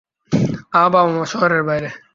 আমার বাবা মা শহরের বাইরে!